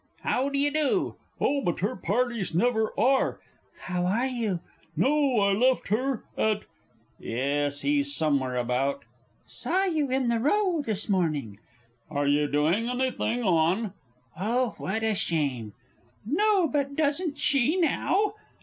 How d'ye do?... Oh, but her parties never are!... How are you?... No, I left her at .... Yes, he's somewhere about.... Saw you in the Row this mornin'.... Are you doing anything on ?... Oh, what a shame!... No, but doesn't she now?...